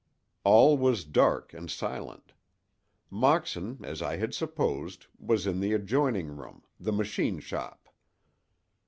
All was dark and silent; Moxon, as I had supposed, was in the adjoining room—the "machine shop."